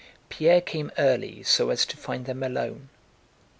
Pierre came early so as to find them alone.